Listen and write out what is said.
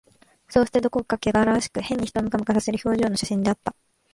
そうして、どこかけがらわしく、変に人をムカムカさせる表情の写真であった